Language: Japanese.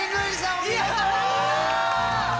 お見事！